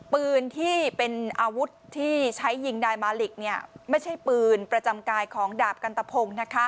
ปืนที่เป็นอาวุธที่ใช้ยิงนายมาลิกไม่ใช่ปืนประจำกายของดาบกันตะพง